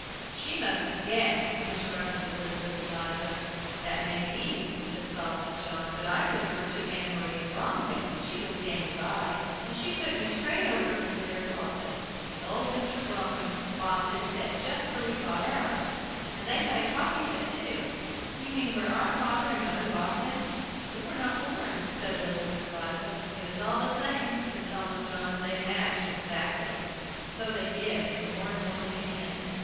"She must have guessed," interrupted Elizabeth Eliza. "That may be," said Solomon John. "But I whispered to Ann Maria Bromwick, she was standing by, and she took me straight over into their closet, and old Mr. Bromwick bought this set just where we bought ours. And they had a coffee set, too" "You mean where our father and mother bought them. We were not born," said Elizabeth Eliza. "It is all the same," said Solomon John. "They match exactly." So they did, and more and more came in.